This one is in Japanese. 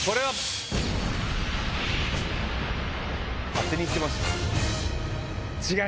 当てにいってます。